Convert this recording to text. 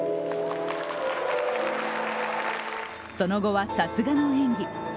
その後はさすがの演技。